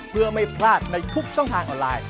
เพื่อไม่พลาดในทุกช่องทางออนไลน์